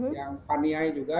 yang pak niai juga